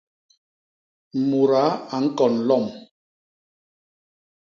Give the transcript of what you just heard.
Mudaa a ñkon lom.